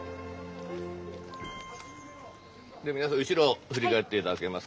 皆さん後ろ振り返って頂けますか？